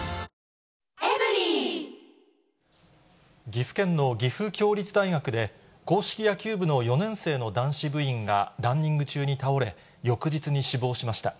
岐阜県の岐阜協立大学で、硬式野球部の４年生の男子部員がランニング中に倒れ、翌日に死亡しました。